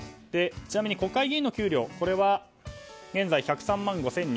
ちなみに国会議員の給料は現在１０３万５２００円。